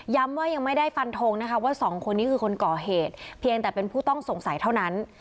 ว่ายังไม่ได้ฟันทงนะคะว่าสองคนนี้คือคนก่อเหตุเพียงแต่เป็นผู้ต้องสงสัยเท่านั้น